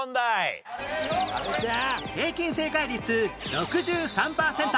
平均正解率６３パーセント